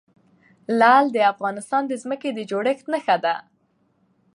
لعل د افغانستان د ځمکې د جوړښت نښه ده.